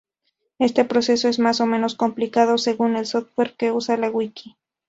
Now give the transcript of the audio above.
Este proceso es más o menos complicado, según el software que use la "wiki".